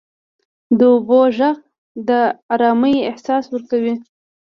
• د اوبو ږغ د آرامۍ احساس ورکوي.